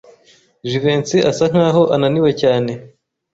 Jivency asa nkaho ananiwe cyane.